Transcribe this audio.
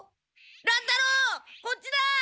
乱太郎こっちだ！